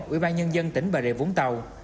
ủy ban nhân dân tỉnh bà rịa vũng tàu